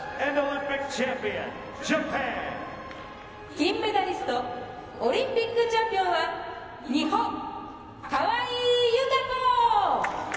金メダリスト、オリンピックチャンピオンは、日本、川井友香子！